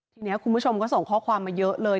ทีนี้คุณผู้ชมก็ส่งข้อความมาเยอะเลย